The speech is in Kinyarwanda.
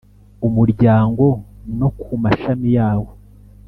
umuryango no ku mashami yawo.